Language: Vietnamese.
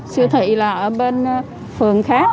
siêu thị là ở bên phường khác